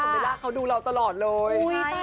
คุณแม่ปรานีเขาดูเราตลอดเลย